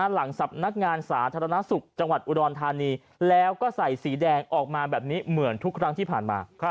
หลังสำนักงานสาธารณสุขจังหวัดอุดรธานีแล้วก็ใส่สีแดงออกมาแบบนี้เหมือนทุกครั้งที่ผ่านมา